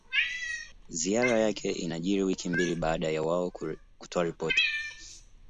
Ziara yake inajiri wiki mbili baada ya wao kutoa ripoti